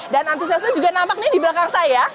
dan antusiasme juga nampak di belakang saya